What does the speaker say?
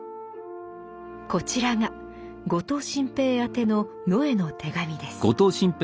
こちらが後藤新平宛ての野枝の手紙です。